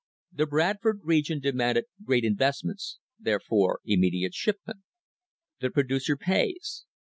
The Bradford region demanded great investments, therefore immediate shipment. "The producer pays."